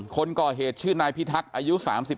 คนก่อเหตุชื่อนายพิทักษ์อายุ๓๙